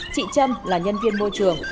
chị trâm là nhân viên môi trường